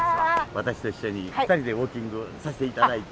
私と一緒に２人でウォーキングさせていただいて。